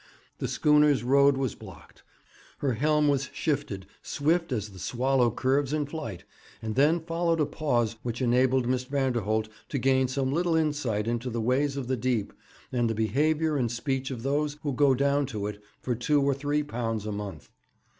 The schooner's road was blocked; her helm was shifted swift as the swallow curves in flight, and then followed a pause which enabled Miss Vanderholt to gain some little insight into the ways of the deep, and the behaviour and speech of those who go down to it for two or three pounds a month.